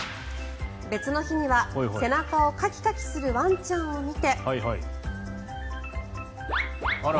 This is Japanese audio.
別の日には背中をカキカキするワンちゃんを見て。